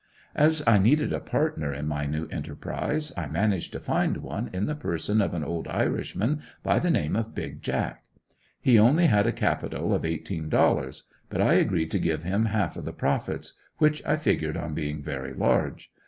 As I needed a partner in my new enterprise, I managed to find one in the person of an old irishman by the name of "Big Jack." He only had a capital of eighteen dollars but I agreed to give him half of the profits which I figured on being very large.